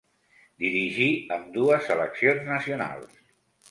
Dirigí ambdues seleccions nacionals.